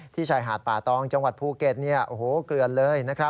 ชายหาดป่าตองจังหวัดภูเก็ตเกลือนเลย